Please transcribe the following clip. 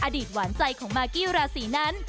อดีตหวานใจของมากกี้ราศีนั้น